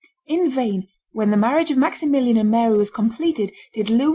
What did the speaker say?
In vain, when the marriage of Maximilian and Mary was completed, did Louis XI.